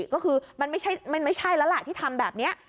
ก็คือมันไม่ใช่แล้วล่ะที่ทำแบบนี้